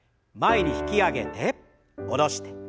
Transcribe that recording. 前に引き上げて下ろして。